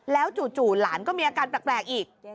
แล้วจู่หลานก็มีอาการแปลกอีก